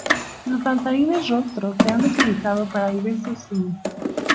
Los danzarines rostro se han utilizado para diversos fines.